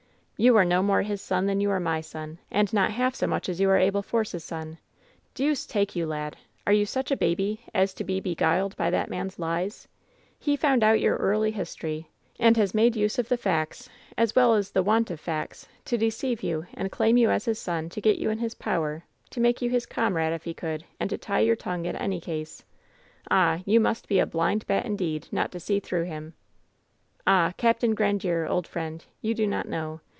"You are no more his son than you are my son ! And not half so much as you are Abel Force's son ! Deuce take you, lad, are you such a baby as to be beguiled by that man's lies ? He found out your early history, and has made use of the facts, as well as of the want of facts, to deceive you and claim you as his son, to get you in his power, to make you his comrade, if he could, and to tie your tongue in any case. Ah ! you must be a blind bat, indeed, not to see through him !" "Ah ! Capt. Grandiere, old friend, you do not know